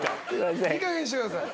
いいかげんにしてください。